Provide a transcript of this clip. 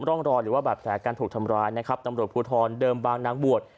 ร่องร้อนและอะไรก็ถูกทำร้าย